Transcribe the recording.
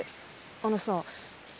あのさ